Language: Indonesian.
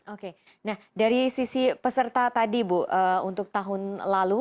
oke nah dari sisi peserta tadi bu untuk tahun lalu